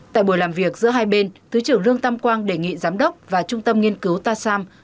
tại buổi làm việc giữa hai bên thứ trưởng lương tam quang đề nghị giám đốc và trung tâm nghiên cứu tasam